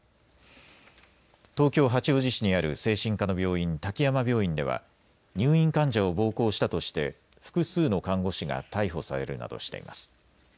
東京八王子市にある精神科の病院、滝山病院では入院患者を暴行したとして複数の看護師が逮捕されるなどしています。